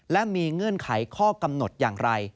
และมีเงื่อนไขข้อกำหนดอย่างไร